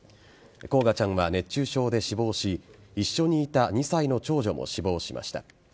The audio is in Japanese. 煌翔ちゃんは熱中症で死亡し一緒にいた２歳の長女も死亡しました。